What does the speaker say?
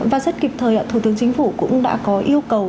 và rất kịp thời thủ tướng chính phủ cũng đã có yêu cầu